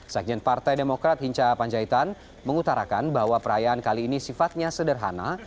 sekjen partai demokrat hinca panjaitan mengutarakan bahwa perayaan kali ini sifatnya sederhana